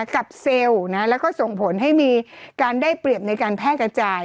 เซลล์แล้วก็ส่งผลให้มีการได้เปรียบในการแพร่กระจาย